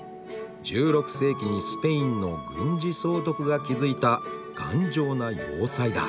１６世紀にスペインの軍事総督が築いた頑丈な要塞」だ。